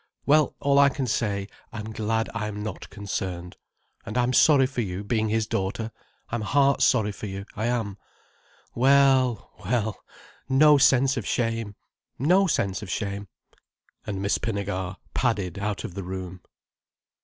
Well, all I can say, I'm glad I am not concerned. And I'm sorry for you, for being his daughter. I'm heart sorry for you, I am. Well, well—no sense of shame—no sense of shame—" And Miss Pinnegar padded out of the room.